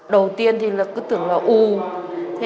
đầu tiên thì là cứ tưởng là em không có nghề